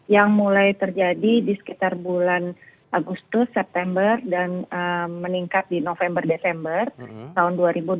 yang mulai terjadi di sekitar bulan agustus september dan meningkat di november desember tahun dua ribu dua puluh